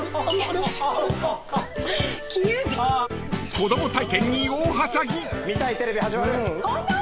［子供体験に大はしゃぎ］